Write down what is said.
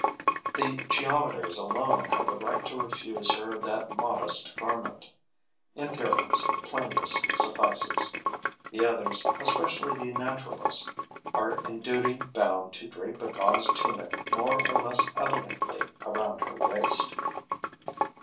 The geometers alone have the right to refuse her that modest garment; in theorems, plainness suffices. The others, especially the naturalist, are in duty bound to drape a gauze tunic more or less elegantly around her waist.